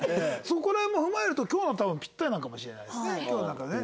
そこら辺も踏まえると今日のは多分ピッタリなのかもしれないですね。